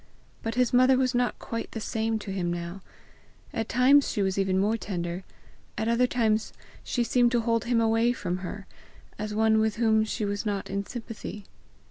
But his mother was not quite the same to him now. At times she was even more tender; at other times she seemed to hold him away from her, as one with whom she was not in sympathy.